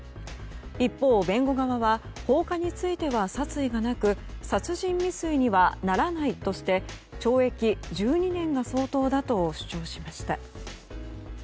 一方、弁護側は放火については殺意がなく殺人未遂にはならないとして懲役１２年が相当だと主張しました。